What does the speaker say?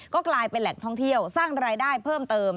ก็กลายเป็นแหล่งท่องเที่ยวสร้างรายได้เพิ่มเติม